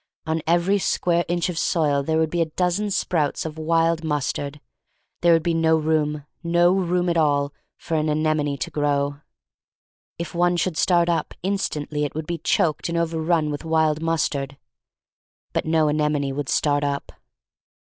On every square inch of soil there would be a dozen sprouts of wild mus tard. There would be no room — no room at all — for an anemone to grow. If one should start up, instantly it would be choked and overrun with wild mus tard. But no anemone would start up.